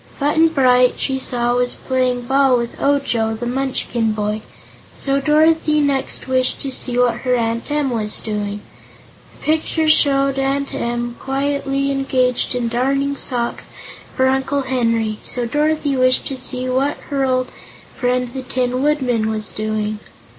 Button Bright, she saw, was playing ball with Ojo, the Munchkin boy, so Dorothy next wished to see what her Aunt Em was doing. The picture showed Aunt Em quietly engaged in darning socks for Uncle Henry, so Dorothy wished to see what her old friend the Tin Woodman was doing.